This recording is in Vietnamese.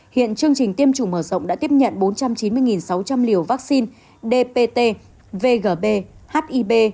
hiện chương trình tiêm chủng mở rộng đã tiếp nhận bốn trăm chín mươi sáu trăm linh liều vaccine dpt vgb hib